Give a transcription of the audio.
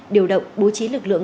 điều động bố trí lực lượng